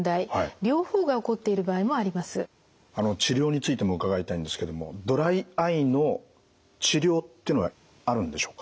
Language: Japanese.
あの治療についても伺いたいんですけどもドライアイの治療っていうのはあるんでしょうか？